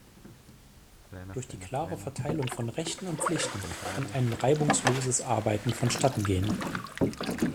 Durch die klare Verteilung von Rechten und Pflichten kann ein reibungsloses Arbeiten vonstattengehen.